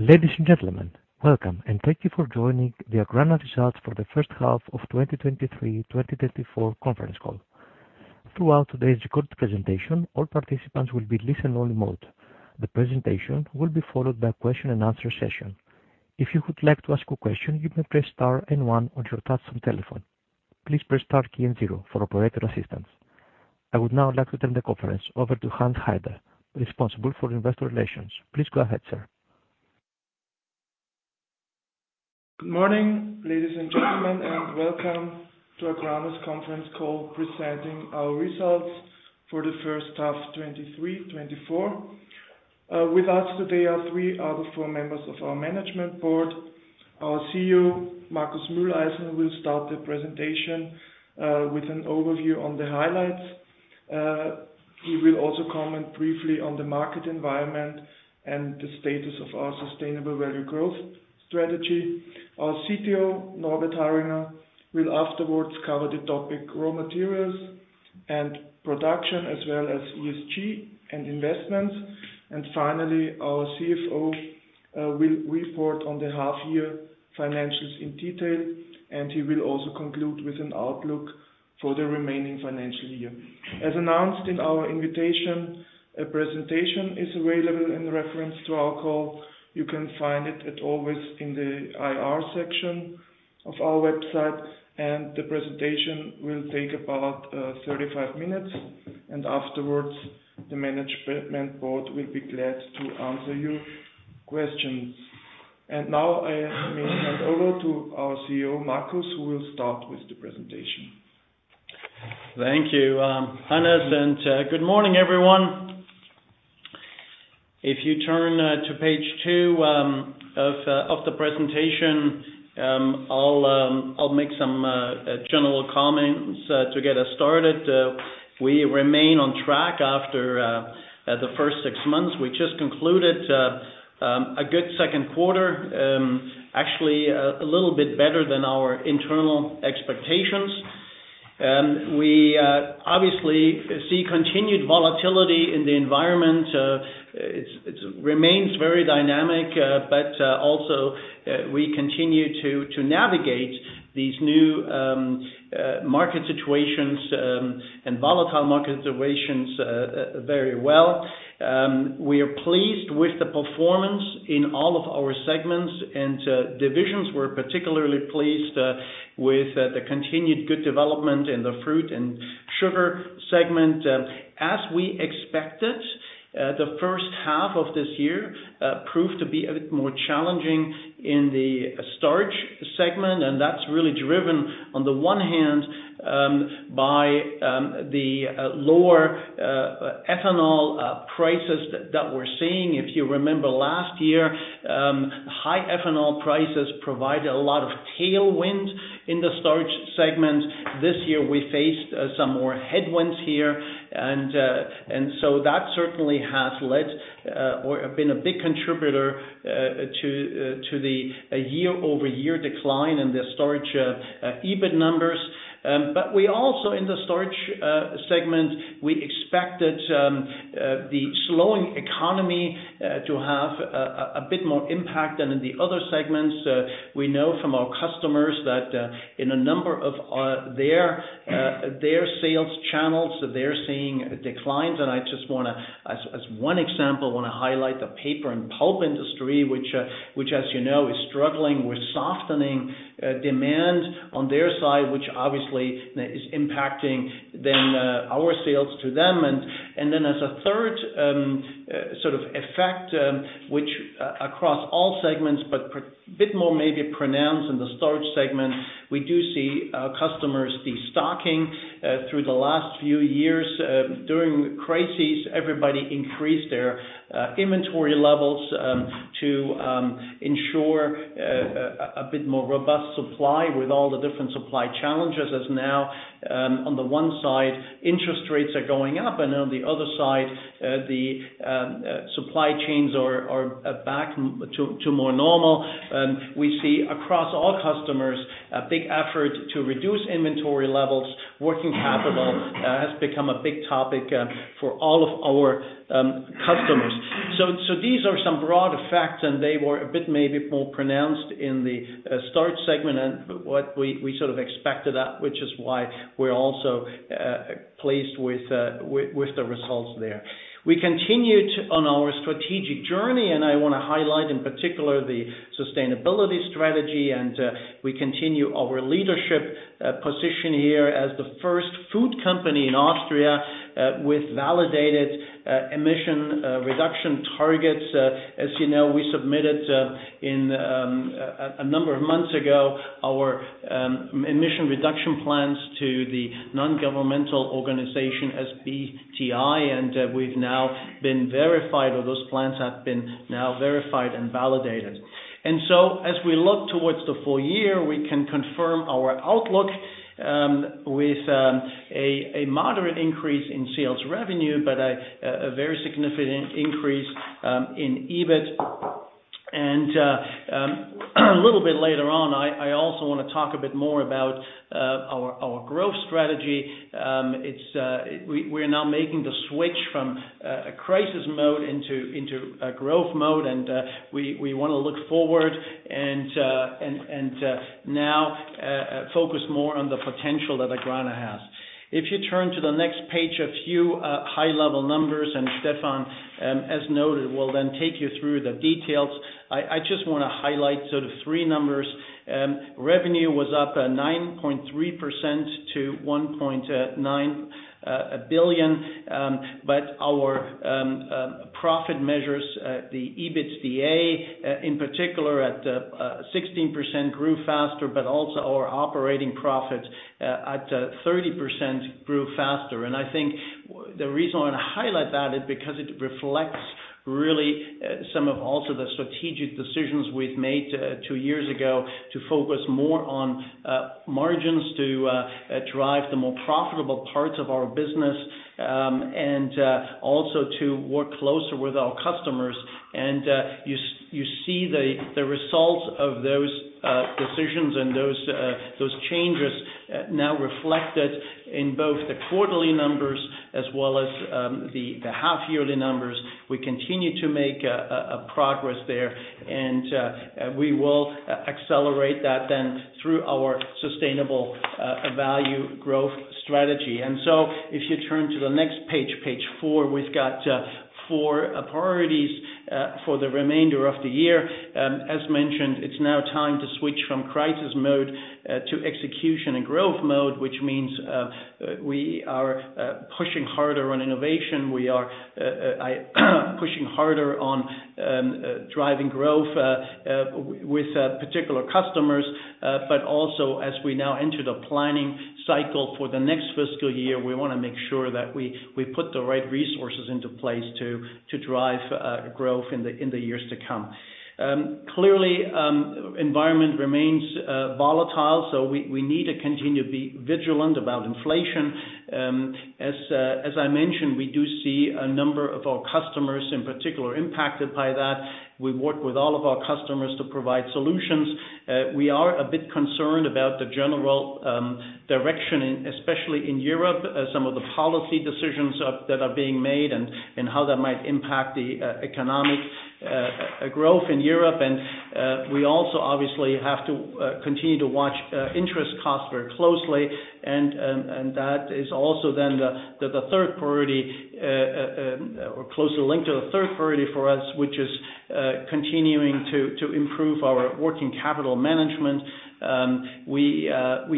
Ladies and gentlemen, welcome, and thank you for joining the AGRANA results for the first half of 2023-2024 conference call. Throughout today's recorded presentation, all participants will be in listen-only mode. The presentation will be followed by a question and answer session. If you would like to ask a question, you may press star and one on your touch tone telephone. Please press star key and zero for operator assistance. I would now like to turn the conference over to Hannes Haider, responsible for investor relations. Please go ahead, sir. Good morning, ladies and gentlemen, and welcome to AGRANA's conference call presenting our results for the first half of 2023-2024. With us today are three out of four members of our Management Board. Our Chief Executive Officer, Markus Mühleisen, will start the presentation with an overview on the highlights. He will also comment briefly on the market environment and the status of our sustainable value growth strategy. Our Chief Technology Officer, Norbert Harringer, will afterwards cover the topic, raw materials and production, as well as ESG and investments. Finally, our Chief Financial Officer will report on the half year financials in detail, and he will also conclude with an outlook for the remaining financial year. As announced in our invitation, a presentation is available in reference to our call. You can find it, as always, in the IR section of our website, and the presentation will take about 35 minutes, and afterwards, the management board will be glad to answer your questions. Now, I may hand over to our Chief Executive Officer, Markus, who will start with the presentation. Thank you, Hannes, and good morning, everyone. If you turn to page two of the presentation, I'll make some general comments to get us started. We remain on track after the first six months. We just concluded a good second quarter, actually a little bit better than our internal expectations. We obviously see continued volatility in the environment. It remains very dynamic, but also we continue to navigate these new market situations and volatile market situations very well. We are pleased with the performance in all of our segments and divisions. We're particularly pleased with the continued good development in the fruit and sugar segment. As we expected, the first half of this year proved to be a bit more challenging in the starch segment, and that's really driven, on the one hand, by the lower ethanol prices that we're seeing. If you remember last year, high ethanol prices provided a lot of tailwind in the starch segment. This year, we faced some more headwinds here, and so that certainly has led or been a big contributor to the year-over-year decline in the starch EBIT numbers. But we also in the starch segment, we expected the slowing economy to have a bit more impact than in the other segments. We know from our customers that in a number of their sales channels, they're seeing declines. And I just wanna, as one example, wanna highlight the paper and pulp industry, which, as you know, is struggling with softening demand on their side, which obviously is impacting then our sales to them. And then as a third sort of effect, which across all segments, but bit more maybe pronounced in the starch segment, we do see customers destocking. Through the last few years, during crises, everybody increased their inventory levels to ensure a bit more robust supply with all the different supply challenges, as now, on the one side, interest rates are going up, and on the other side, the supply chains are back to more normal. We see across all customers, a big effort to reduce inventory levels. Working capital has become a big topic for all of our customers. So these are some broad effects, and they were a bit maybe more pronounced in the starch segment and what we sort of expected that, which is why we're also pleased with the results there. We continued on our strategic journey, and I want to highlight in particular the sustainability strategy. We continue our leadership position here as the first food company in Austria with validated emission reduction targets. As you know, we submitted a number of months ago our emission reduction plans to the non-governmental organization SBTi, and we've now been verified, or those plans have now been verified and validated. As we look towards the full year, we can confirm our outlook with a moderate increase in sales revenue, but a very significant increase in EBIT. I will talk a bit more about our growth strategy. We're now making the switch from a crisis mode into growth mode, and we wanna look forward and now focus more on the potential that AGRANA has. If you turn to the next page, a few high level numbers, and Stefan, as noted, will then take you through the details. I just wanna highlight sort of three numbers. Revenue was up 9.3% to 1.9 billion, but our profit measures, the EBITDA in particular at 16%, grew faster, but also our operating profit at 30% grew faster. I think the reason I wanna highlight that is because it reflects really, some of also the strategic decisions we've made two years ago, to focus more on margins, to drive the more profitable parts of our business, and also to work closer with our customers. You see the results of those decisions and those changes now reflected in both the quarterly numbers as well as the half yearly numbers. We continue to make progress there, and we will accelerate that then through our sustainable value growth strategy. If you turn to the next page, page four, we've got four priorities for the remainder of the year. As mentioned, it's now time to switch from crisis mode to execution and growth mode, which means we are pushing harder on innovation. We are pushing harder on driving growth with particular customers. But also as we now enter the planning cycle for the next fiscal year, we wanna make sure that we put the right resources into place to drive growth in the years to come. Clearly, environment remains volatile, so we need to continue to be vigilant about inflation. As I mentioned, we do see a number of our customers in particular impacted by that. We work with all of our customers to provide solutions. We are a bit concerned about the general direction, and especially in Europe, some of the policy decisions that are being made and how that might impact the economic growth in Europe. We also obviously have to continue to watch interest costs very closely. And that is also then the third priority or closely linked to the third priority for us, which is continuing to improve our working capital management. We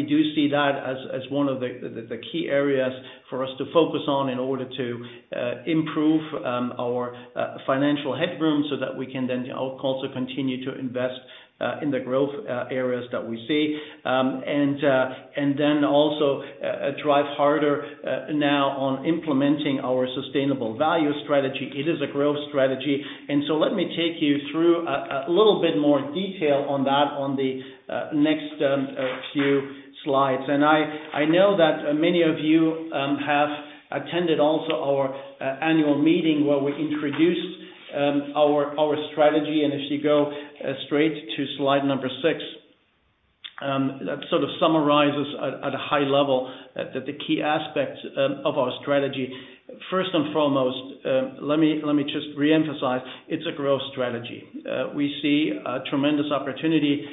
do see that as one of the key areas for us to focus on in order to improve our financial headroom, so that we can then also continue to invest in the growth areas that we see. And then also drive harder now on implementing our sustainable value strategy. It is a growth strategy. And so let me take you through a little bit more detail on that, on the next few slides. And I know that many of you have attended also our annual meeting, where we introduced our strategy. And if you go straight to slide number six, that sort of summarizes at a high level the key aspects of our strategy. First and foremost, let me just reemphasize, it's a growth strategy. We see a tremendous opportunity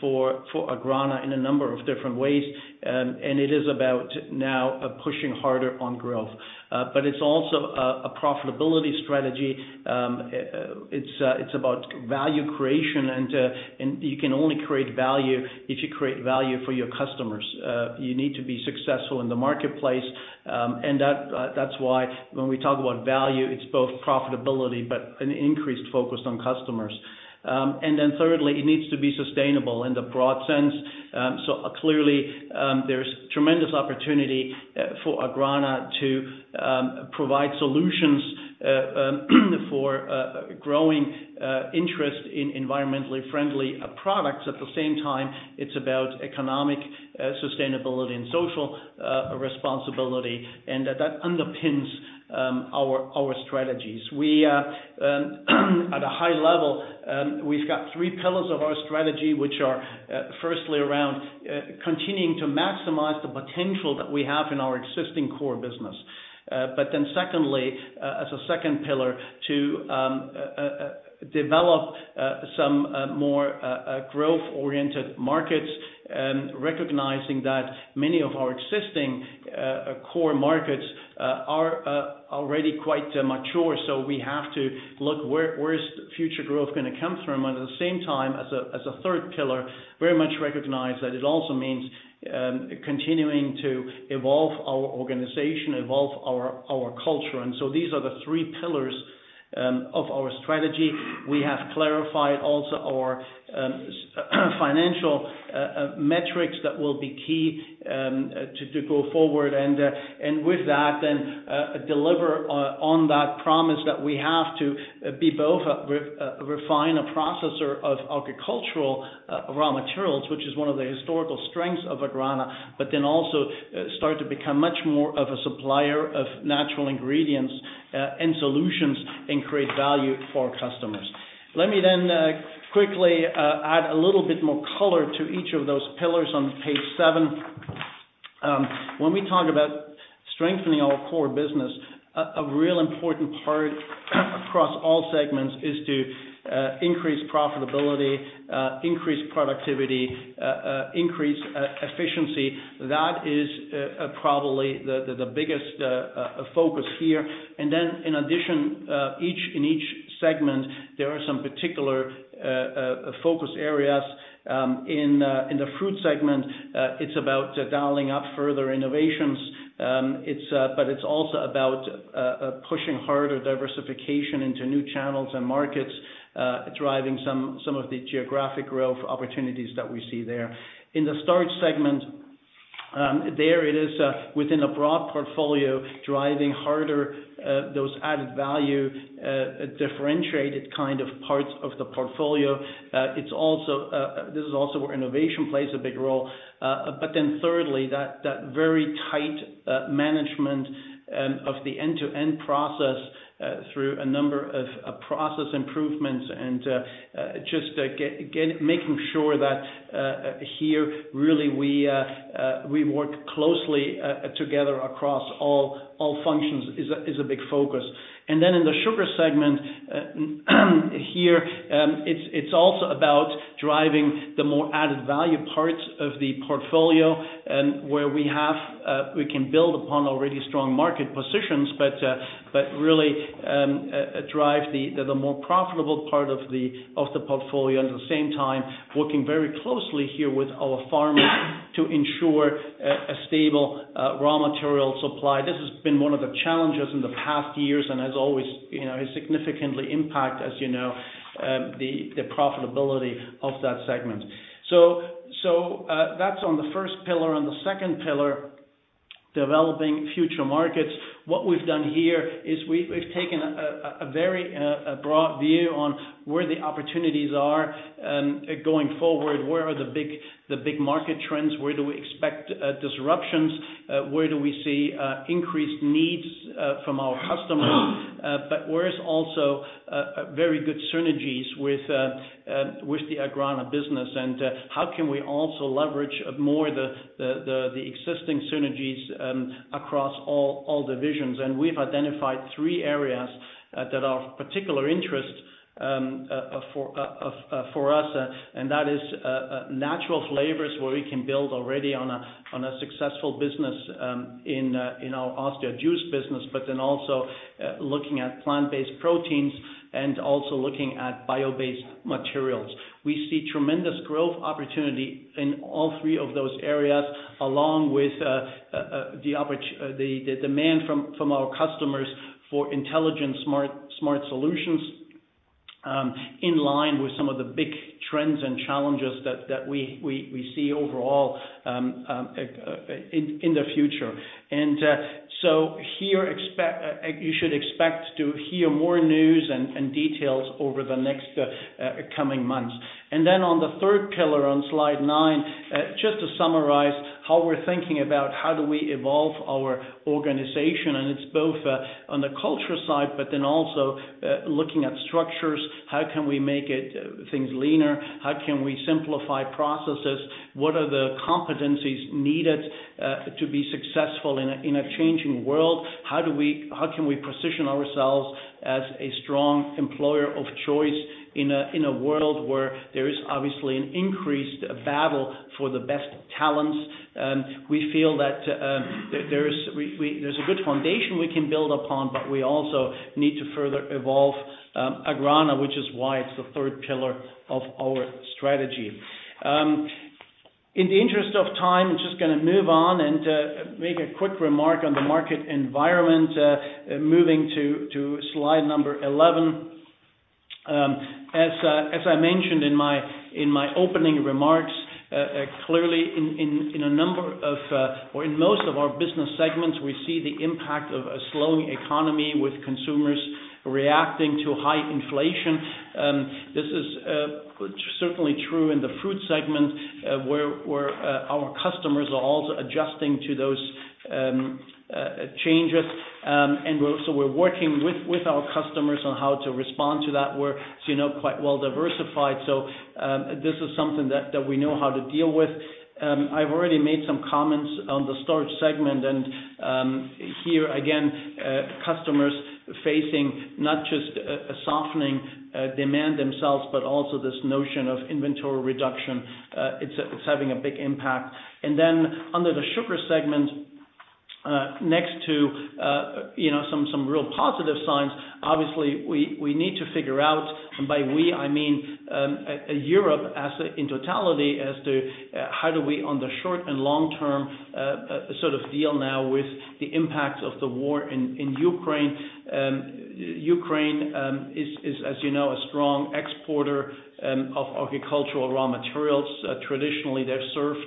for Agrana in a number of different ways, and it is about now pushing harder on growth. But it's also a profitability strategy. It's about value creation, and you can only create value if you create value for your customers. You need to be successful in the marketplace, and that's why when we talk about value, it's both profitability, but an increased focus on customers. And then thirdly, it needs to be sustainable in the broad sense. So clearly, there's tremendous opportunity for AGRANA to provide solutions for growing interest in environmentally friendly products. At the same time, it's about economic sustainability and social responsibility, and that underpins our strategies. We, at a high level, we've got three pillars of our strategy, which are firstly around continuing to maximize the potential that we have in our existing core business. But then secondly, as a second pillar to develop some more growth-oriented markets, recognizing that many of our existing core markets are already quite mature, so we have to look where future growth is gonna come from? And at the same time, as a third pillar, very much recognize that it also means continuing to evolve our organization, evolve our culture. And so these are the three pillars of our strategy. We have clarified also our financial metrics that will be key to go forward and with that, then, deliver on that promise that we have to be both a refiner, processor of agricultural raw materials, which is one of the historical strengths of AGRANA, but then also start to become much more of a supplier of natural ingredients and solutions, and create value for our customers. Let me then quickly add a little bit more color to each of those pillars on page seven. When we talk about strengthening our core business, a real important part across all segments is to increase profitability, increase productivity, increase efficiency. That is probably the biggest focus here. In addition, each segment, there are some particular focus areas. In the fruit segment, it's about dialing up further innovations. It's also about pushing harder diversification into new channels and markets, driving some of the geographic growth opportunities that we see there. In the starch segment, there it is, within a broad portfolio, driving harder those added value, differentiated kind of parts of the portfolio. This is also where innovation plays a big role. But then thirdly, that very tight management of the end-to-end process through a number of process improvements and just making sure that here really we work closely together across all functions is a big focus. And then in the sugar segment, here, it's also about driving the more added value parts of the portfolio, where we can build upon already strong market positions, but really drive the more profitable part of the portfolio. At the same time, working very closely here with our farmers to ensure a stable raw material supply. This has been one of the challenges in the past years, and has always, you know, has significantly impact, as you know, the profitability of that segment. That's on the first pillar. On the second pillar, developing future markets. What we've done here is we've taken a very broad view on where the opportunities are going forward. Where are the big market trends? Where do we expect disruptions? Where do we see increased needs from our customers? But where is also a very good synergies with the AGRANA business, and how can we also leverage more the existing synergies across all divisions? We've identified three areas that are of particular interest for us, and that is natural flavors, where we can build already on a successful business in our Austria Juice business, but then also looking at plant-based proteins and also looking at bio-based materials. We see tremendous growth opportunity in all three of those areas, along with the demand from our customers for intelligent, smart solutions in line with some of the big trends and challenges that we see overall in the future. You should expect to hear more news and details over the next coming months. On the third pillar, on slide nine, just to summarize how we're thinking about how do we evolve our organization, and it's both on the culture side, but then also looking at structures, how can we make things leaner? How can we simplify processes? What are the competencies needed to be successful in a changing world? How can we position ourselves as a strong employer of choice in a world where there is obviously an increased battle for the best talents? We feel that there is a good foundation we can build upon, but we also need to further evolve AGRANA, which is why it's the third pillar of our strategy. In the interest of time, I'm just gonna move on and make a quick remark on the market environment. Moving to slide number 11. As I mentioned in my opening remarks, clearly, in a number of, or in most of our business segments, we see the impact of a slowing economy, with consumers reacting to high inflation. This is certainly true in the fruit segment, where our customers are also adjusting to those changes. We're working with our customers on how to respond to that. We're, you know, quite well diversified, so this is something that we know how to deal with. I've already made some comments on the starch segment, and, here, again, customers facing not just a softening demand themselves, but also this notion of inventory reduction. It's having a big impact. And then under the sugar segment, next to, you know, some real positive signs, obviously, we need to figure out, and by we, I mean, a Europe as in totality, as to, how do we, on the short and long term, sort of deal now with the impacts of the war in Ukraine. Ukraine is, as you know, a strong exporter of agricultural raw materials. Traditionally, they've served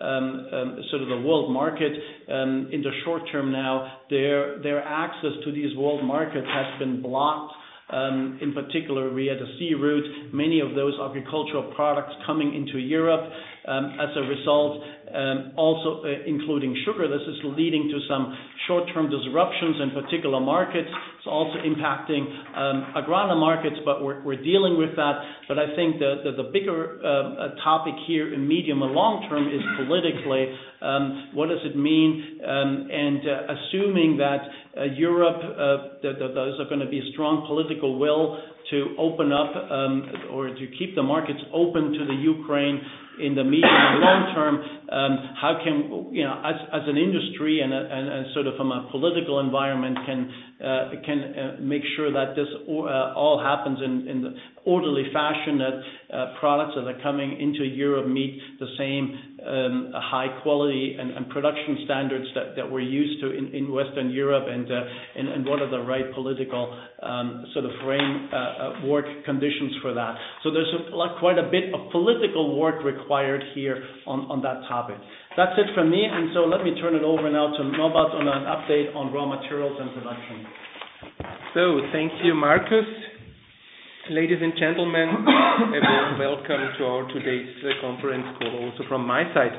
sort of the world market, in the short term now, their access to these world markets has been blocked. In particular, via the sea route, many of those agricultural products coming into Europe, as a result, also, including sugar. This is leading to some short-term disruptions in particular markets. It's also impacting AGRANA markets, but we're dealing with that. But I think the bigger topic here in medium and long term is politically, what does it mean? And, assuming that Europe that there is going to be a strong political will to open up or to keep the markets open to the Ukraine in the medium and long term, how can, you know, as an industry and sort of from a political environment, can make sure that this all happens in the orderly fashion that products that are coming into Europe meet the same high quality and production standards that we're used to in Western Europe? And what are the right political sort of framework conditions for that? So there's a lot, quite a bit of political work required here on that topic. That's it from me, and so let me turn it over now to Norbert on an update on raw materials and production. So thank you, Markus. Ladies and gentlemen, a warm welcome to our today's conference call, also from my side.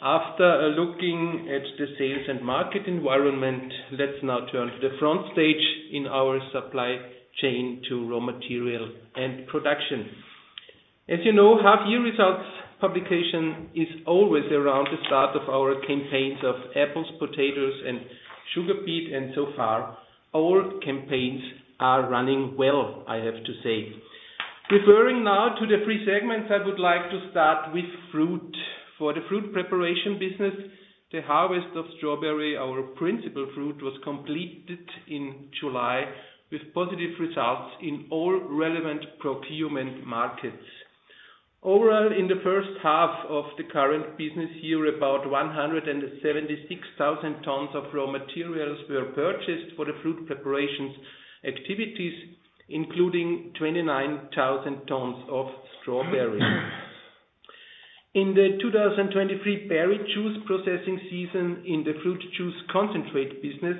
After looking at the sales and market environment, let's now turn to the front stage in our supply chain to raw material and production. As you know, half year results publication is always around the start of our campaigns of apples, potatoes, and sugar beet, and so far, all campaigns are running well, I have to say. Referring now to the three segments, I would like to start with fruit. For the fruit preparation business, the harvest of strawberry, our principal fruit, was completed in July, with positive results in all relevant procurement markets. Overall, in the first half of the current business year, about 176,000 tons of raw materials were purchased for the fruit preparations activities, including 29,000 tons of strawberries. In the 2023 berry juice processing season in the fruit juice concentrate business,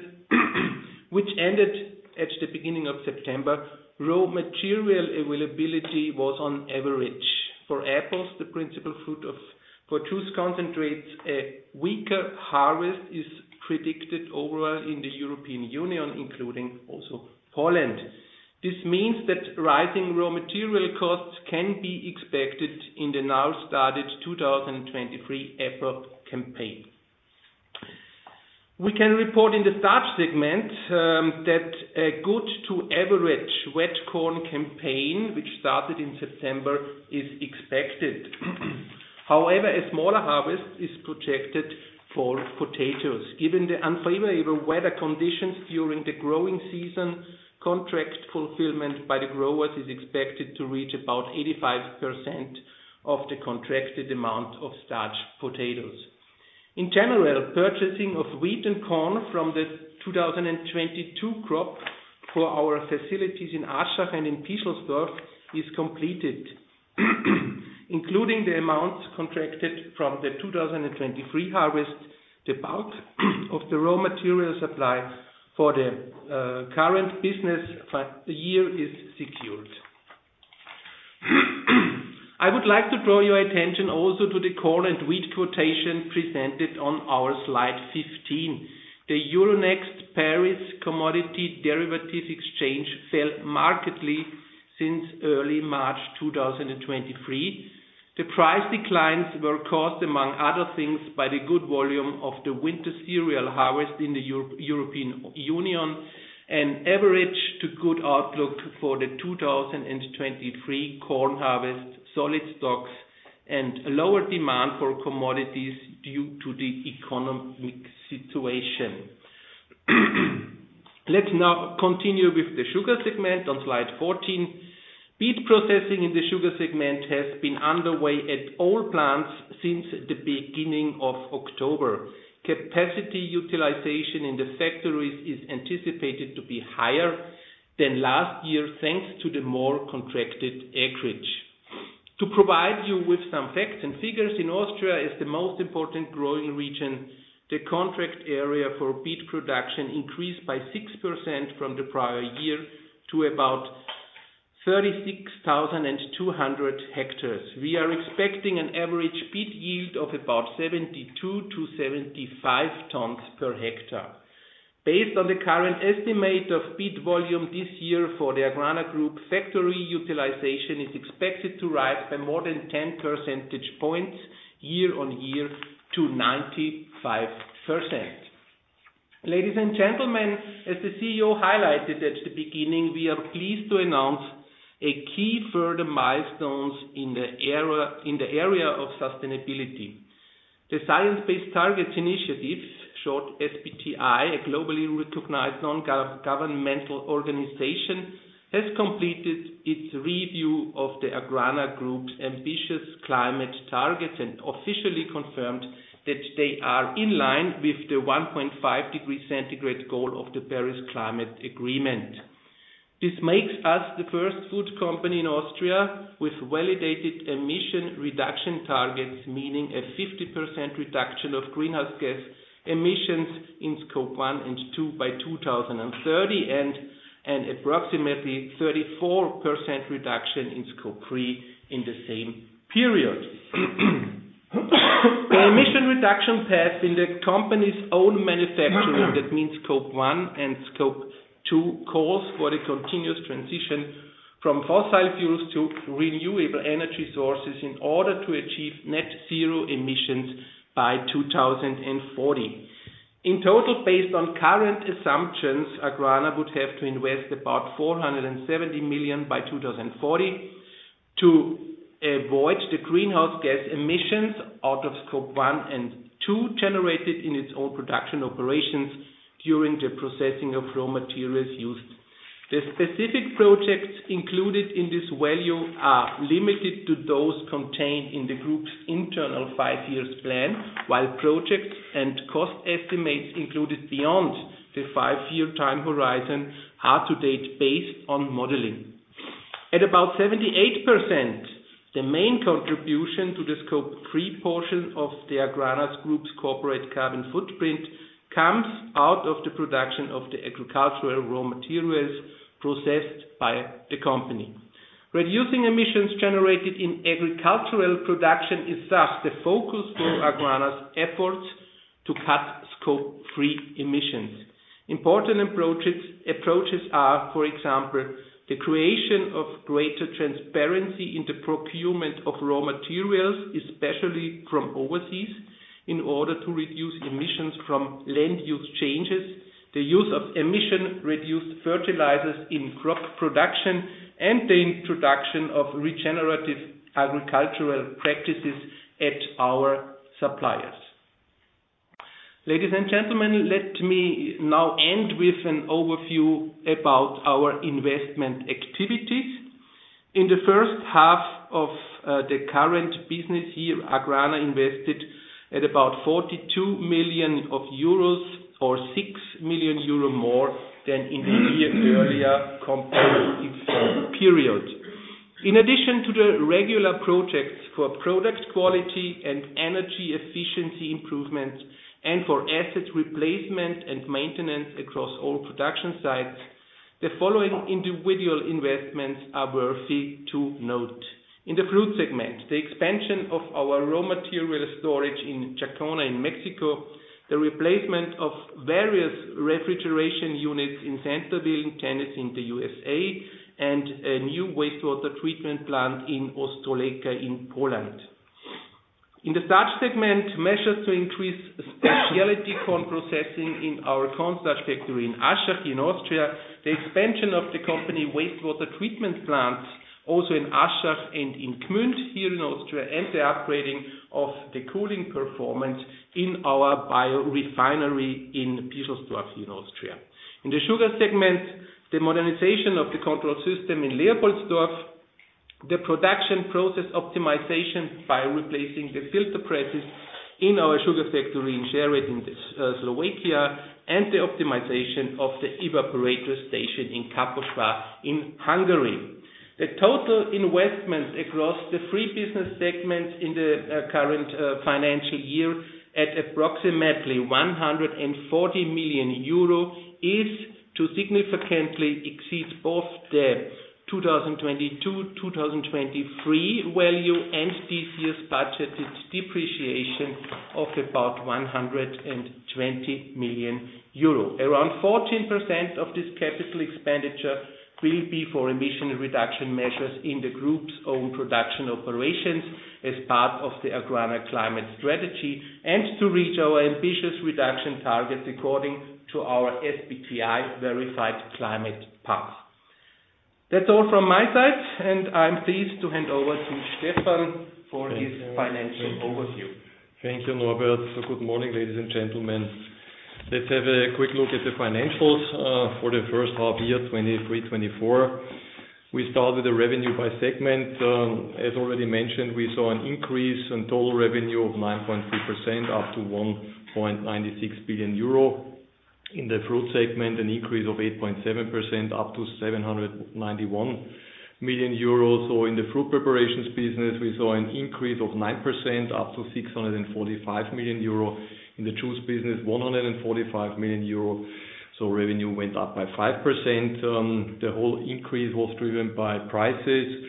which ended at the beginning of September, raw material availability was on average. For apples, the principal fruit for juice concentrates, a weaker harvest is predicted overall in the European Union, including also Poland. This means that rising raw material costs can be expected in the now started 2023 apple campaign. We can report in the starch segment that a good to average wet corn campaign, which started in September, is expected. However, a smaller harvest is projected for potatoes. Given the unfavorable weather conditions during the growing season, contract fulfillment by the growers is expected to reach about 85% of the contracted amount of starch potatoes. In general, purchasing of wheat and corn from the 2022 crop for our facilities in Aschach and in Pischelsdorf is completed. Including the amounts contracted from the 2023 harvest, the bulk of the raw material supply for the current business for the year is secured. I would like to draw your attention also to the corn and wheat quotation presented on our slide 15. The Euronext Paris commodity derivative exchange fell markedly since early March 2023. The price declines were caused, among other things, by the good volume of the winter cereal harvest in the European Union, an average to good outlook for the 2023 corn harvest, solid stocks, and lower demand for commodities due to the economic situation. Let's now continue with the sugar segment on slide 14. Beet processing in the sugar segment has been underway at all plants since the beginning of October. Capacity utilization in the factories is anticipated to be higher than last year, thanks to the more contracted acreage. To provide you with some facts and figures, in Austria is the most important growing region, the contract area for beet production increased by 6% from the prior year to about 36,200 hectares. We are expecting an average beet yield of about 72-75 tons per hectare. Based on the current estimate of beet volume this year for the AGRANA Group, factory utilization is expected to rise by more than 10 percentage points year on year to 95%. Ladies and gentlemen, as the Chief Executive Officer highlighted at the beginning, we are pleased to announce a key further milestones in the area, in the area of sustainability. The Science Based Targets initiative, short SBTi, a globally recognized non-governmental organization, has completed its review of the AGRANA Group's ambitious climate targets and officially confirmed that they are in line with the 1.5 degree centigrade goal of the Paris Climate Agreement. This makes us the first food company in Austria with validated emission reduction targets, meaning a 50% reduction of greenhouse gas emissions in Scope 1 and 2 by 2030, and, and approximately 34% reduction in Scope 3 in the same period. The emission reduction path in the company's own manufacturing, that means Scope 1 and cope 2, calls for the continuous transition from fossil fuels to renewable energy sources in order to achieve net zero emissions by 2040. In total, based on current assumptions, AGRANA would have to invest about 470 million by 2040, to avoid the greenhouse gas emissions out of Scope 1 and 2, generated in its own production operations during the processing of raw materials used. The specific projects included in this value are limited to those contained in the group's internal five-year plan, while projects and cost estimates included beyond the five-year time horizon, are to date based on modeling. At about 78%, the main contribution to the Scope 3 portion of the AGRANA group's corporate carbon footprint, comes out of the production of the agricultural raw materials processed by the company. Reducing emissions generated in agricultural production is thus the focus for AGRANA's efforts to cut Scope 3 emissions. Important approaches are, for example, the creation of greater transparency in the procurement of raw materials, especially from overseas, in order to reduce emissions from land use changes, the use of emission-reduced fertilizers in crop production, and the introduction of regenerative agricultural practices at our suppliers. Ladies and gentlemen, let me now end with an overview about our investment activities. In the first half of the current business year, AGRANA invested about 42 million euros, or 6 million euro more than in the year-earlier comparable period. In addition to the regular projects for product quality and energy efficiency improvements, and for asset replacement and maintenance across all production sites, the following individual investments are worthy to note. In the fruit segment, the expansion of our raw material storage in Jacona, in Mexico, the replacement of various refrigeration units in Centerville, Tennessee, in the USA, and a new wastewater treatment plant in Ostrołęka, in Poland. In the starch segment, measures to increase speciality corn processing in our corn starch factory in Aschach, in Austria, the expansion of the company wastewater treatment plants, also in Aschach and in Gmünd, here in Austria, and the upgrading of the cooling performance in our biorefinery in Pischelsdorf, in Austria. In the sugar segment, the modernization of the control system in Leopoldsdorf, the production process optimization by replacing the filter presses in our sugar factory in Sereď, in Slovakia, and the optimization of the evaporator station in Kaposvár, in Hungary. The total investment across the three business segments in the current financial year at approximately 140 million euro is to significantly exceed both the 2022, 2023 value, and this year's budgeted depreciation of about 120 million euro. Around 14% of this capital expenditure will be for emission reduction measures in the group's own production operations, as part of the AGRANA climate strategy, and to reach our ambitious reduction targets according to our SBTi verified climate path. That's all from my side, and I'm pleased to hand over to Stephan for his financial overview. Thank you, Norbert. Good morning, ladies and gentlemen. Let's have a quick look at the financials for the first half year, 2023/2024. We started the revenue by segment. As already mentioned, we saw an increase in total revenue of 9.3%, up to 1.96 billion euro. In the fruit segment, an increase of 8.7%, up to 791 million euros. In the fruit preparations business, we saw an increase of 9%, up to 645 million euro. In the juice business, 145 million euro, so revenue went up by 5%. The whole increase was driven by prices.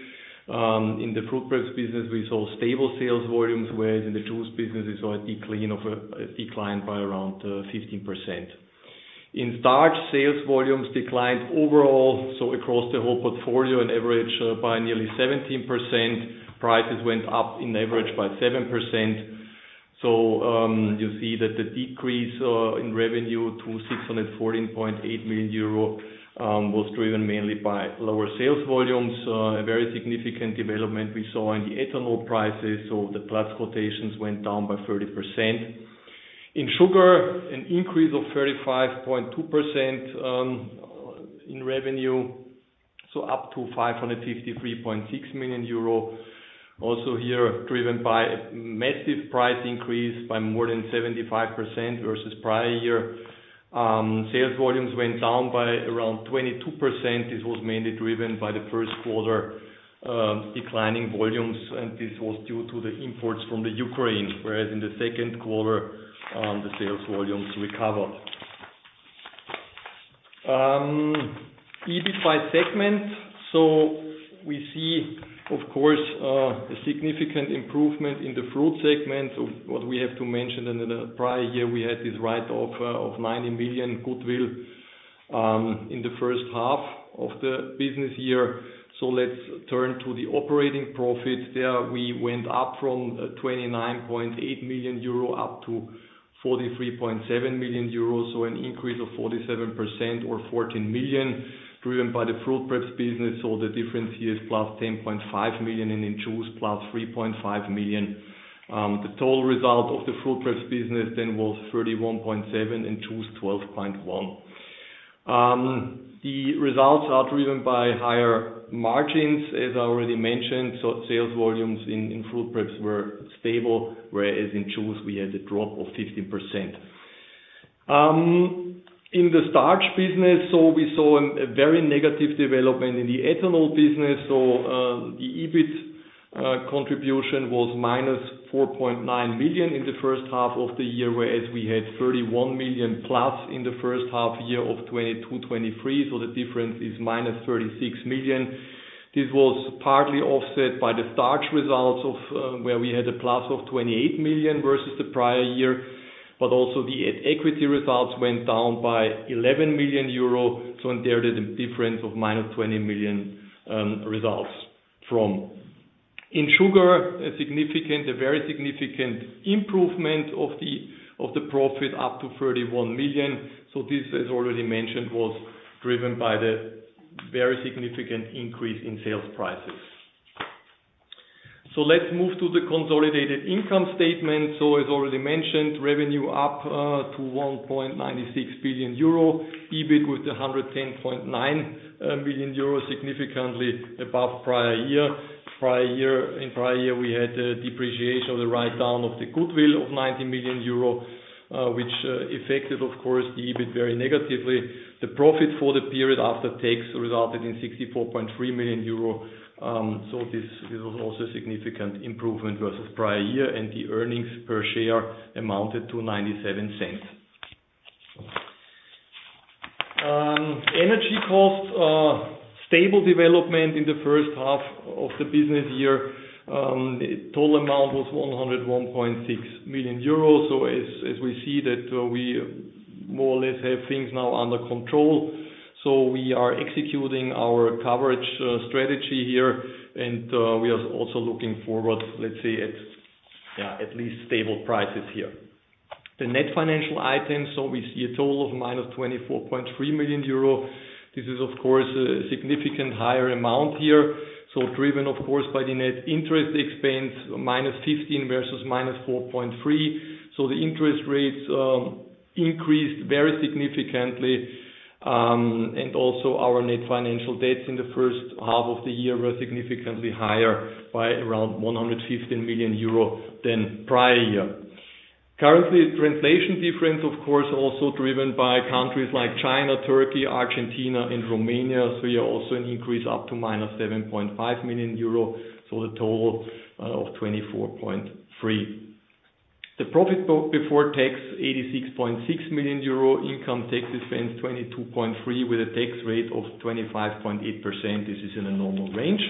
In the fruit prep business, we saw stable sales volumes, whereas in the juice business, we saw a decline of, a decline by around 15%. In starch, sales volumes declined overall, so across the whole portfolio, on average, by nearly 17%, prices went up on average by 7%. So, you see that the decrease in revenue to 614.8 million euro was driven mainly by lower sales volumes. A very significant development we saw in the ethanol prices, so the Platts quotations went down by 30%. In sugar, an increase of 35.2% in revenue, so up to 553.6 million euro. Also here, driven by massive price increase by more than 75% versus prior year, sales volumes went down by around 22%. This was mainly driven by the first quarter, declining volumes, and this was due to the imports from the Ukraine, whereas in the second quarter, the sales volumes recovered. EBIT by segment. We see, of course, a significant improvement in the fruit segment. What we have to mention, in the prior year, we had this write-off of 90 million goodwill in the first half of the business year. Let's turn to the operating profit. There, we went up from 29.8 million euro up to 43.7 million euros, so an increase of 47% or 14 million, driven by the fruit preps business. The difference here is plus 10.5 million, and in juice, plus 3.5 million. The total result of the fruit preps business then was 31.7 million, in juice, 12.1 million. The results are driven by higher margins, as I already mentioned, so sales volumes in fruit preps were stable, whereas in juice we had a drop of 15%. In the starch business, we saw a very negative development in the ethanol business. The EBIT contribution was -4.9 million in the first half of the year, whereas we had 31 million plus in the first half year of 2022-2023, so the difference is -36 million. This was partly offset by the starch results, where we had a plus of 28 million versus the prior year, but also the equity results went down by 11 million euro. So in there, the difference of -20 million results from. In sugar, a significant, a very significant improvement of the profit, up to 31 million. So this, as already mentioned, was driven by the very significant increase in sales prices. So let's move to the consolidated income statement. So as already mentioned, revenue up to 1.96 billion euro. EBIT with 110.9 million euro, significantly above prior year. Prior year, in prior year, we had a depreciation of the write-down of the goodwill of 90 million euro, which affected, of course, the EBIT very negatively. The profit for the period after taxes resulted in 64.3 million euro. So this, this was also a significant improvement versus prior year, and the earnings per share amounted to 0.97. Energy costs, stable development in the first half of the business year. Total amount was 101.6 million euros. So as we see that, we more or less have things now under control, so we are executing our coverage strategy here, and we are also looking forward, let's say, at least stable prices here. The net financial items, so we see a total of -24.3 million euro. This is, of course, a significant higher amount here. So driven, of course, by the net interest expense, -15 million versus -4.3 million. So the interest rates increased very significantly, and also our net financial debts in the first half of the year were significantly higher by around 115 million euro than prior year. Currently, translation difference, of course, also driven by countries like China, Turkey, Argentina, and Romania. So here, also an increase up to -7.5 million euro, so a total of -24.3 million. The profit before tax, 86.6 million euro, income tax expense, 22.3 million, with a tax rate of 25.8%. This is in a normal range.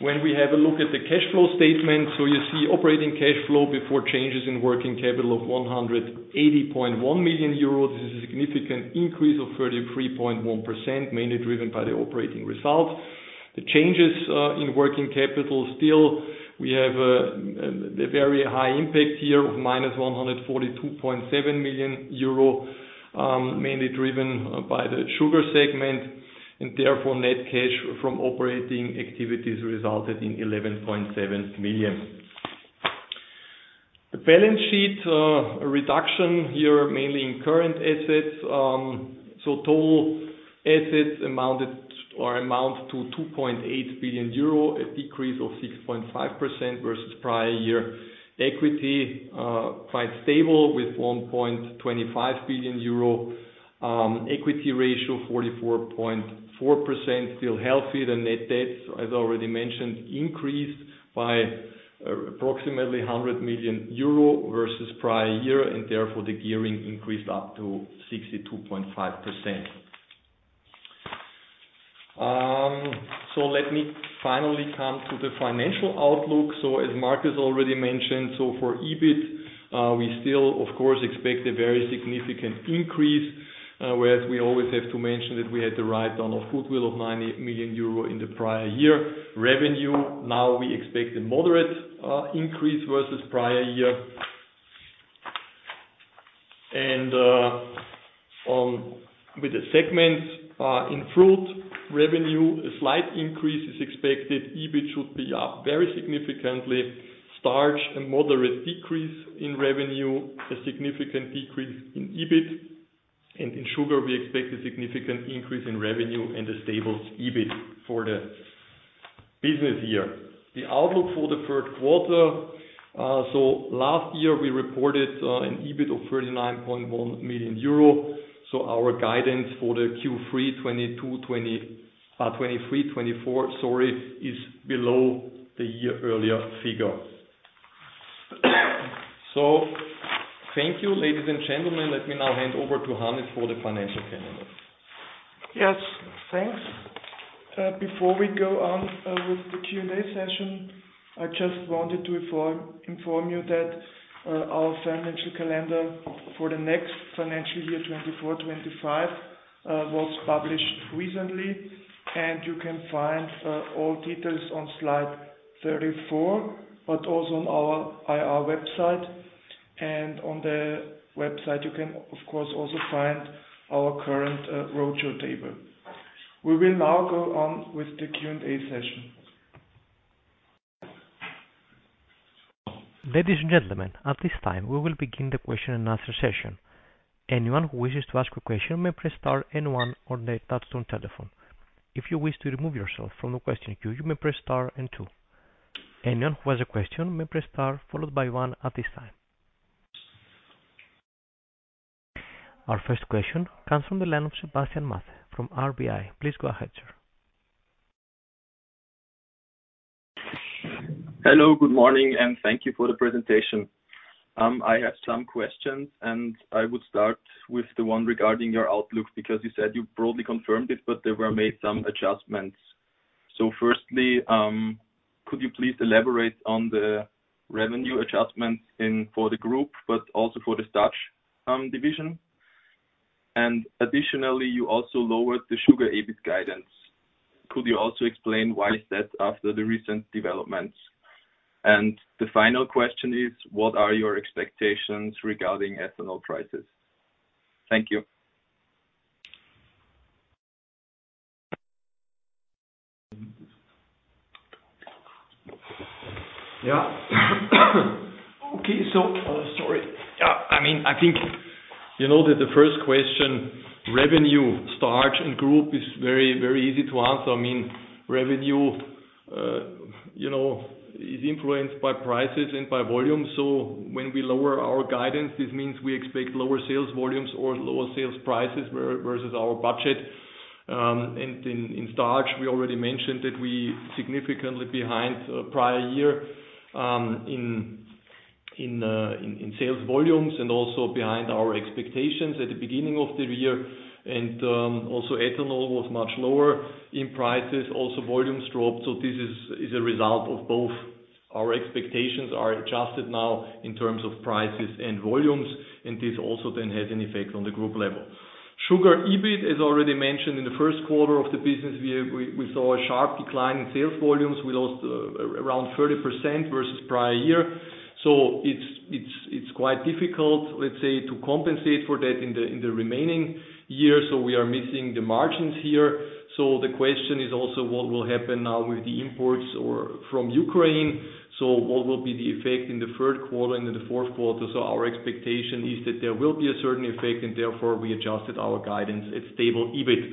When we have a look at the cash flow statement, so you see operating cash flow before changes in working capital of 180.1 million euros. This is a significant increase of 33.1%, mainly driven by the operating results. The changes in working capital, still, we have a very high impact here of -142.7 million euro, mainly driven by the sugar segment, and therefore, net cash from operating activities resulted in 11.7 million. The balance sheet reduction here, mainly in current assets. So total assets amounted or amount to 2.8 billion euro, a decrease of 6.5% versus prior year. Equity quite stable, with 1.25 billion euro. Equity ratio, 44.4%, still healthy. The net debts, as already mentioned, increased by approximately 100 million euro versus prior year, and therefore, the gearing increased up to 62.5%. So let me finally come to the financial outlook. As Markus already mentioned, for EBIT, we still, of course, expect a very significant increase, whereas we always have to mention that we had the write-down of goodwill of 90 million euro in the prior year. Revenue, now we expect a moderate increase versus prior year. With the segments, in fruit revenue, a slight increase is expected. EBIT should be up very significantly. Starch, a moderate decrease in revenue, a significant decrease in EBIT, and in sugar, we expect a significant increase in revenue and a stable EBIT for the business year. The outlook for the third quarter, last year we reported an EBIT of 39.1 million euro, so our guidance for Q3 2023/2024 is below the year earlier figure. Thank you, ladies and gentlemen. Let me now hand over to Hannes for the financial calendar. Yes, thanks. Before we go on with the Q&A session, I just wanted to inform you that our financial calendar for the next financial year, 2024/2025, was published recently, and you can find all details on slide 34, but also on our IR website. On the website, you can, of course, also find our current roadshow table. We will now go on with the Q&A session. Ladies and gentlemen, at this time, we will begin the question and answer session. Anyone who wishes to ask a question may press star and one on their touchtone telephone. If you wish to remove yourself from the question queue, you may press star and two. Anyone who has a question may press star, followed by one at this time. Our first question comes from the line of Stefan Maxian from RBI. Please go ahead, sir. Hello, good morning, and thank you for the presentation. I have some questions, and I would start with the one regarding your outlook, because you said you broadly confirmed it, but there were made some adjustments. So firstly, could you please elaborate on the revenue adjustments in, for the group, but also for the starch division? And additionally, you also lowered the sugar EBIT guidance. Could you also explain why is that after the recent developments? And the final question is: What are your expectations regarding ethanol prices? Thank you. Yeah. Okay, so, sorry. I mean, I think you know that the first question, revenue, starch, and group is very, very easy to answer. I mean, revenue, you know, is influenced by prices and by volume. When we lower our guidance, this means we expect lower sales volumes or lower sales prices versus our budget. In starch, we already mentioned that we are significantly behind prior year in sales volumes and also behind our expectations at the beginning of the year. Also, ethanol was much lower in prices, also volumes dropped. This is a result of both. Our expectations are adjusted now in terms of prices and volumes, and this also then has an effect on the group level. Sugar EBIT, as already mentioned in the first quarter of the business, we saw a sharp decline in sales volumes. We lost around 30% versus prior year. So it's quite difficult, let's say, to compensate for that in the remaining year, so we are missing the margins here. So the question is also what will happen now with the imports or from Ukraine? So what will be the effect in the third quarter and in the fourth quarter? So our expectation is that there will be a certain effect, and therefore, we adjusted our guidance at stable EBIT.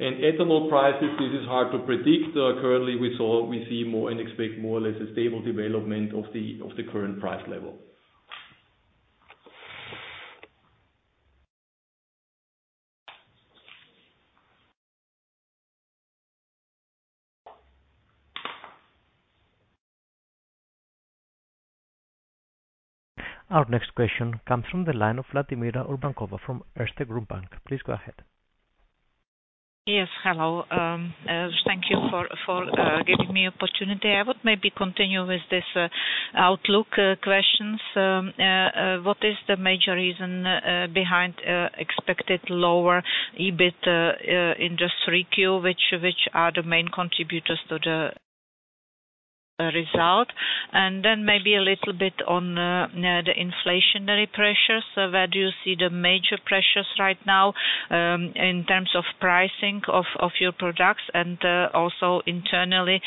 And ethanol prices, this is hard to predict. Currently, we see more and expect more or less a stable development of the current price level. Our next question comes from the line of Vladimira Urbankova from Erste Group Bank. Please go ahead. Yes, hello. Thank you for giving me opportunity. I would maybe continue with this outlook questions. What is the major reason behind expected lower EBIT in Q3, which are the main contributors to the result? And then maybe a little bit on the inflationary pressures. So where do you see the major pressures right now in terms of pricing of your products and also internally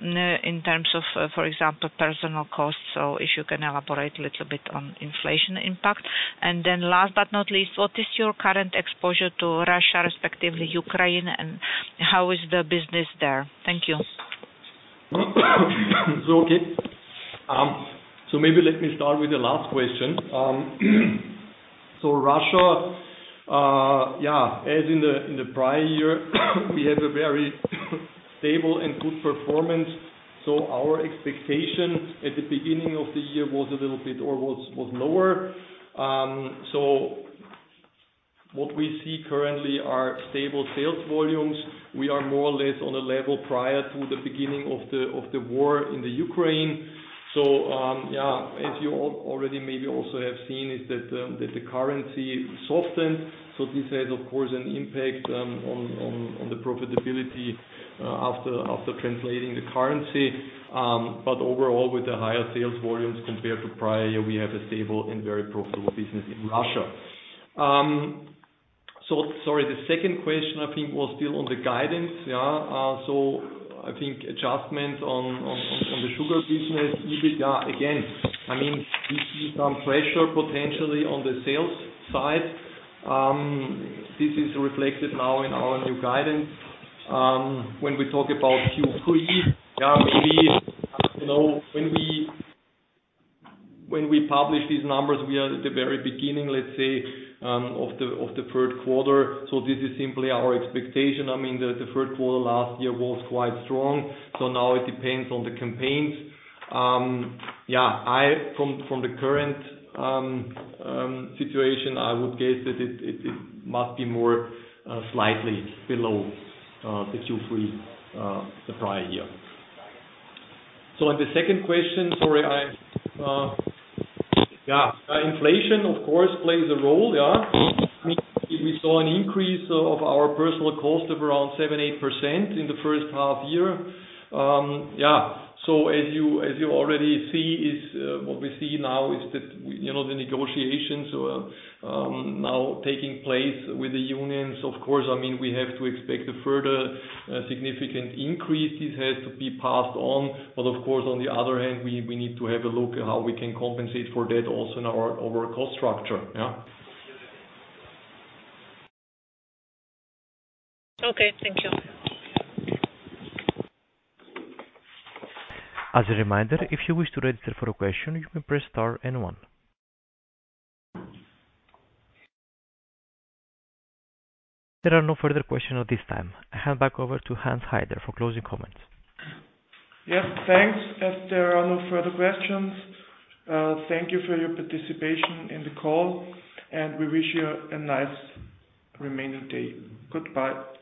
in terms of, for example, personal costs? So if you can elaborate a little bit on inflation impact. And then last but not least, what is your current exposure to Russia, respectively, Ukraine, and how is the business there? Thank you. Okay. Maybe let me start with the last question. Russia, yeah, as in the prior year, we had a very stable and good performance, so our expectation at the beginning of the year was a little bit or was lower. What we see currently are stable sales volumes. We are more or less on a level prior to the beginning of the war in Ukraine. As you already maybe also have seen, the currency softened. This has, of course, an impact on the profitability after translating the currency. Overall, with the higher sales volumes compared to prior year, we have a stable and very profitable business in Russia. So sorry, the second question, I think, was still on the guidance, yeah. So I think adjustments on the sugar business, EBIT, yeah, again, I mean, we see some pressure potentially on the sales side. This is reflected now in our new guidance. When we talk about Q3, yeah, maybe, you know, when we publish these numbers, we are at the very beginning, let's say, of the third quarter. So this is simply our expectation. I mean, the third quarter last year was quite strong, so now it depends on the campaigns. Yeah, from the current situation, I would guess that it must be slightly below the Q3 the prior year. So on the second question, sorry, I. Yeah, inflation, of course, plays a role, yeah. We saw an increase in our personnel costs of around 7%-8% in the first half year. Yeah, so as you already see, what we see now is that, you know, the negotiations now taking place with the unions. Of course, I mean, we have to expect a further significant increase. This has to be passed on, but of course, on the other hand, we need to have a look at how we can compensate for that also in our overall cost structure. Yeah. Okay, thank you. As a reminder, if you wish to register for a question, you may press star and one. There are no further questions at this time. I hand back over to Hannes Haider for closing comments. Yes, thanks. If there are no further questions, thank you for your participation in the call, and we wish you a nice remaining day. Goodbye.